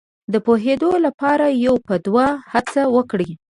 د پوهېدو لپاره یو په دوه هڅه وکړي.